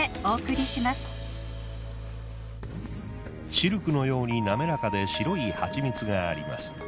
シルクのようになめらかで白い蜂蜜があります。